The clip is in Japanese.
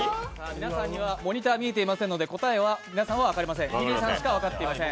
皆さんにはモニターが見えていませんので答えは分かっていません。